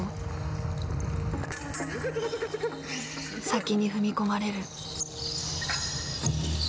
先に踏み込まれる。